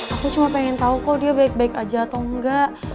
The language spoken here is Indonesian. aku cuma pengen tahu kok dia baik baik aja atau enggak